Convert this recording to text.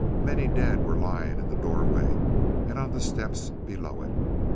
Many dead were lying in the doorway and on the steps below it.